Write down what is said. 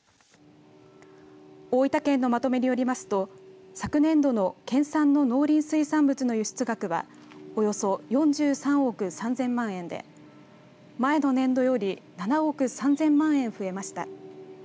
大分県のまとめによりますと昨年度の県産の農林水産物の輸出額はおよそ４３億３０００万円で前の年度より７億３０００万円増えました。